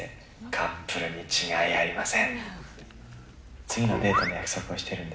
カップルに違いありません。